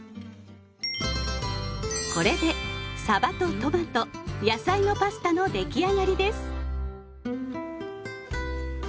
これで「さばとトマト、野菜のパスタ」の出来上がりです！